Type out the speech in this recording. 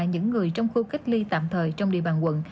những người trong khu cách ly tạm thời trong địa bàn quận